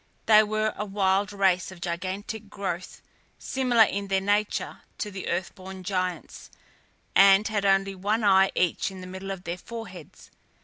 They were a wild race of gigantic growth, similar in their nature to the earth born Giants, and had only one eye each in the middle of their foreheads.